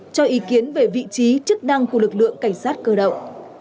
cho ý kiến về vị trí chức năng của lực lượng cảnh sát cơ động